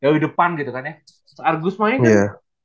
ya udah di depan gitu kan ya terus argus main kan